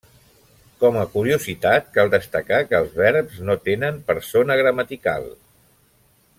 Com a curiositat, cal destacar que els verbs no tenen persona gramatical.